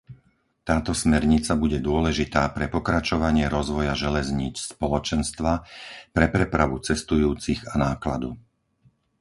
Táto smernica bude dôležitá pre pokračovanie rozvoja železníc Spoločenstva, pre prepravu cestujúcich a nákladu.